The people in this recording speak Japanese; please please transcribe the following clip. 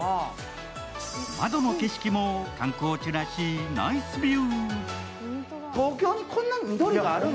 窓の景色も観光地らしいナイスビュー。